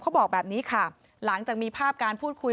เขาบอกแบบนี้ค่ะหลังจากมีภาพการพูดคุย